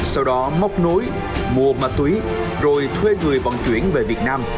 sau đó móc nối mua ma túy rồi thuê người vận chuyển về việt nam